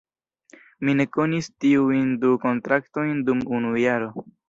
Mi ne konis tiujn du kontraktojn dum unu jaro.